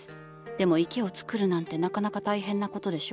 でも池をつくるなんてなかなか大変な事でしょ。